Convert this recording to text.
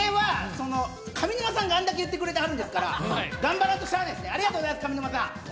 上沼さんがあれだけ言ってくれてはるんですから、頑張らんとしゃあないですね、ありがとうございます、上沼さん。